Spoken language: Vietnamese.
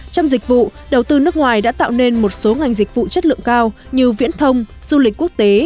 trong dịch vụ đầu tư nước ngoài đã tạo nên một số ngành dịch vụ chất lượng cao như viễn thông du lịch quốc tế